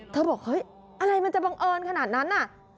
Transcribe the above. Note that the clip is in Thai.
บอกเฮ้ยอะไรมันจะบังเอิญขนาดนั้นน่ะ